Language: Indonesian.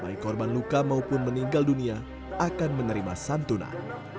baik korban luka maupun meninggal dunia akan menerima santunan